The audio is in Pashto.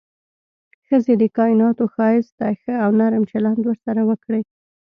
ښځې د کائناتو ښايست ده، ښه او نرم چلند ورسره وکړئ.